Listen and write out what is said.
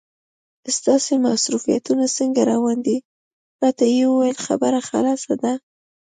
ستاسې مصروفیتونه څنګه روان دي؟ راته یې وویل خبره خلاصه ده.